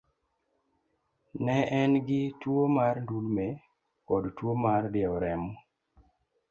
Ne en gi tuwo mar ndulme kod tuwo mar diewo remo.